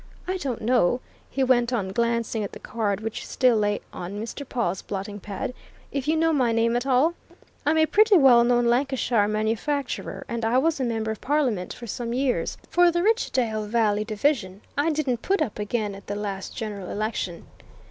I don't know," he went on, glancing at the card which still lay on Mr. Pawle's blotting pad, "if you know my name at all? I'm a pretty well known Lancashire manufacturer, and I was a member of Parliament for some years for the Richdale Valley division. I didn't put up again at the last General Election."